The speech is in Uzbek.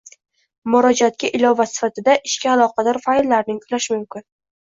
Murojaatga ilova sifatida ishga aloqador fayllarni yuklash mumkin.